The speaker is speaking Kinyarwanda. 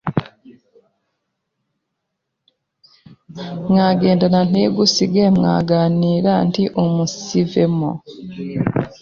mwagendana ntigusige, mwaganira ntiumunsivemo